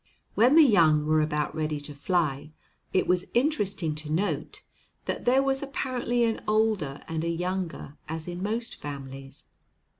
When the young were about ready to fly, it was interesting to note that there was apparently an older and a younger, as in most families.